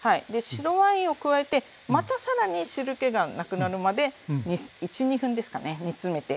白ワインを加えてまた更に汁けがなくなるまで１２分ですかね煮詰めていきます。